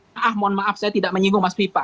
mohon maaf saya tidak menyinggung mas pipa